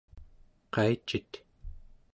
qaicit?